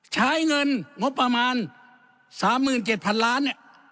ใช้เงินงบประมาณ๓๗๐๐๐ล้านเนี่ย